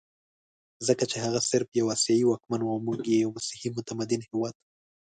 ځکه چې هغه صرف یو اسیایي واکمن وو او موږ یو مسیحي متمدن هېواد.